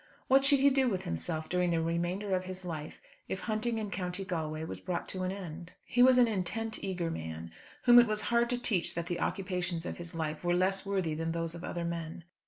What should he do with himself during the remainder of his life, if hunting in County Galway was brought to an end? He was an intent, eager man, whom it was hard to teach that the occupations of his life were less worthy than those of other men.